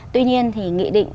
tuy nhiên thì nghị định